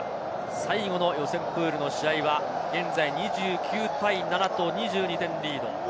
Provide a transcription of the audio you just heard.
最後の予選プールの試合は現在２９対７と２２点リード。